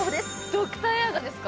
ドクターエアがですか？